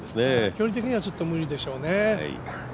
距離的にはちょっと無理でしょうね。